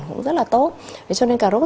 cũng rất là tốt cho nên cà rốt